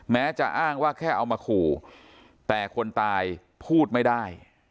แม้จะอ้างว่าแค่เอามาขู่แต่คนตายพูดไม่ได้